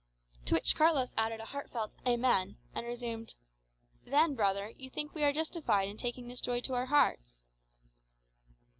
To which Carlos added a heartfelt "Amen," and resumed, "Then, brother, you think we are justified in taking this joy to our hearts?"